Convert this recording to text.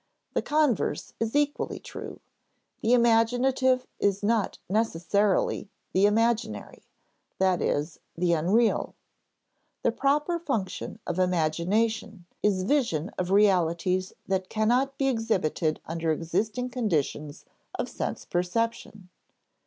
The converse is equally true. The imaginative is not necessarily the imaginary; that is, the unreal. The proper function of imagination is vision of realities that cannot be exhibited under existing conditions of sense perception.